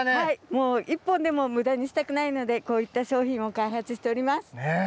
もう１本でも無駄にしたくないので、こういった商品を開発しております。